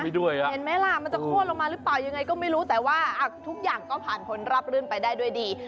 มันจะโฆ่นลงมาหรือเปล่ายังไงก็ไม่รู้แต่ว่าทุกอย่างก็ผ่านผลรับลื่นไปได้ด้วยดี